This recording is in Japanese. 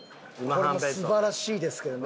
これも素晴らしいですけどね